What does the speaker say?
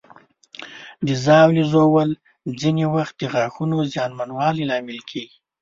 د ژاولې ژوول ځینې وخت د غاښونو زیانمنوالي لامل کېږي.